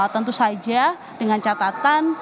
tentu saja dengan catatan